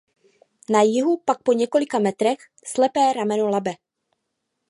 Na jihu pak po několika metrech slepé rameno Labe.